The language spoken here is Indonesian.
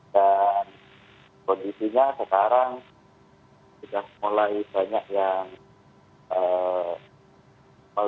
dan kondisinya sekarang sudah mulai banyak yang mau rumahnya masuk